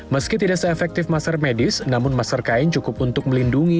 meski tidak se efektif masker medis namun masker kain cukup untuk melindungi